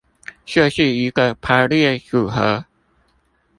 就是一個排列組合